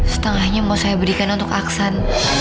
setengahnya mau saya berikan untuk aksan